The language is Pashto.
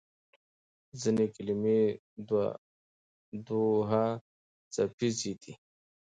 ځینې کلمې دوهڅپیزې دي.